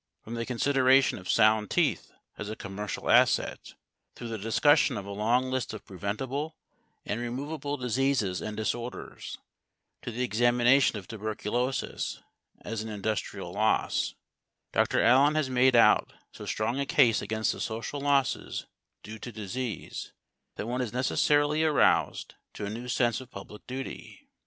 From the consideration of sound teeth as a commercial asset, through the discussion of a long list of preventable and removable diseases and disorders, to the examination of tuberculosis as an industrial loss, Dr. Allen has made out so strong a case against the social losses due to disease, that one is necessarily aroused to a new sense of public duty.